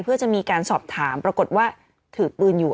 เพื่อจะมีการสอบถามปรากฏว่าถือปืนอยู่